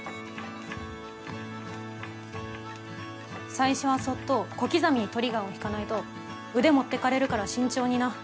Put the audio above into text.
最初はそっと小刻みにトリガーを引かないと腕持ってかれるから慎重にな。